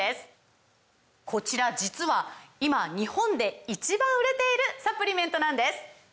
こちら実は今日本で１番売れているサプリメントなんです！